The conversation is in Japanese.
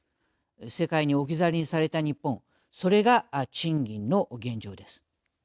世界に置き去りにされた日本、それが賃金の現状です。